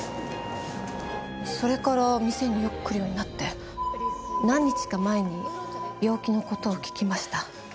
それから店によく来るようになって何日か前に病気の事を聞きました。